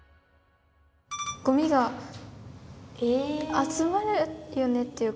ごみが集まるよねっていうか。